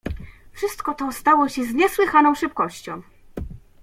"Wszystko to stało się z niesłychaną szybkością."